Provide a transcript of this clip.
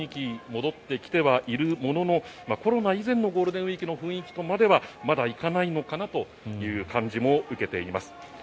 戻ってきてはいるもののコロナ以前のゴールデンウィークの雰囲気とまではまだいかないのかなという感じも受けています。